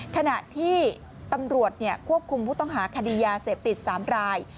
ขณะที่ตำรวจควบคุมผู้ต้องหาคดียาเสพติด๓ราย